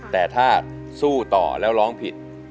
แต่ถ้าสู้ต่อแล้วร้องผิด